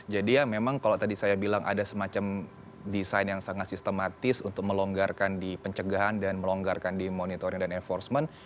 jadi ya memang kalau tadi saya bilang ada semacam desain yang sangat sistematis untuk melonggarkan di pencegahan dan melonggarkan di monitoring dan enforcement